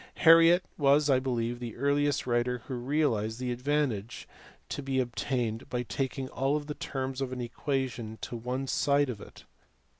Harriot was I believe the earliest writer who realized the advantage to be obtained by taking all the terras of an equation to one side of it.